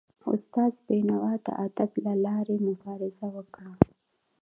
استاد بینوا د ادب له لاري مبارزه وکړه.